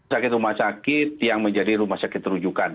sakit rumah sakit yang menjadi rumah sakit terujukan